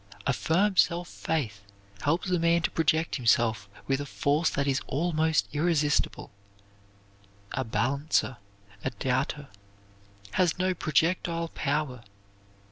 A firm self faith helps a man to project himself with a force that is almost irresistible. A balancer, a doubter, has no projectile power.